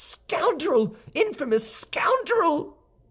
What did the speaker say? "Scoundrel, infamous scoundrel!"